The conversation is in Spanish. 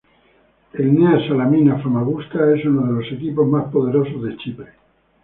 El Nea Salamina Famagusta es uno de los equipos más poderosos de Chipre.